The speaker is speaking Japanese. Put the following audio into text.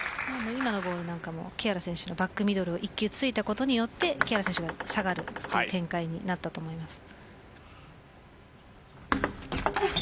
今のボールも木原選手のバックミドルを１球突いたことで木原選手が下がる展開になったと思います。